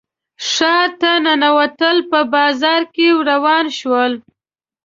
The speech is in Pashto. ښار ته ننوتل په بازار کې روان شول.